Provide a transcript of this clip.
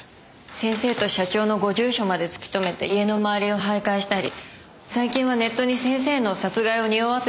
先生と社長のご住所まで突き止めて家の周りを徘徊したり最近はネットに先生の殺害を匂わすような文章まで書き込んでて。